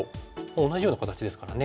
同じような形ですからね。